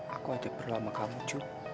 aku ada perlu sama kamu jum